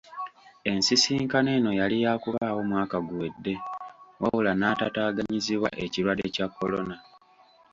Ensisinkano eno yali yaakubaawo mwaka guwedde wabula n'etaataganyizibwa ekirwadde kya kolona.